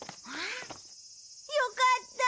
よかった。